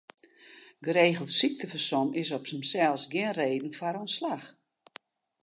Geregeld syktefersom is op himsels gjin reden foar ûntslach.